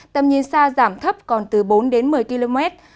tầm nhìn xa giảm thấp còn từ bốn đến một mươi km